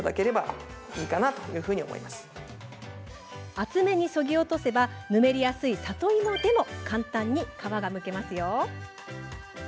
厚めにそぎ落とせばぬめりやすい里芋でも簡単に皮がむけますよ。